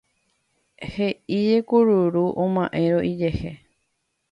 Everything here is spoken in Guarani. he'íje kururu oma'érõ ijehe